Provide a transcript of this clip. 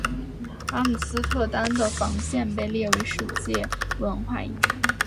阿姆斯特丹的防线被列为世界文化遗产。